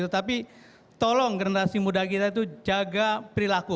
tetapi tolong generasi muda kita itu jaga perilaku